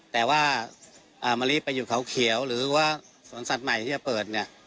แต่ว่ามะลิไปอยู่เขาเขียวหรือว่าสวนสัตว์ใหม่ที่จะเปิดเนี่ย